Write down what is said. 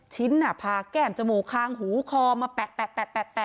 ชิ้นพาแก้มจมูกคางหูคอมาแปะ